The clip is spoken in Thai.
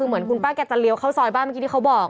เหมือนคุณป้าเค้าจะเลี้ยวเขาซอยบ้าง